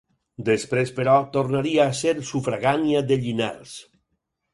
Després, però, tornaria a ésser sufragània de Llinars.